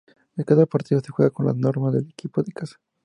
Cada partido se juega con las normas del equipo de casa.